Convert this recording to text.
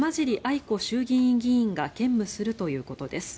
伊子衆議院議員が兼務するということです。